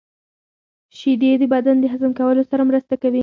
• شیدې د بدن د هضم کولو سره مرسته کوي.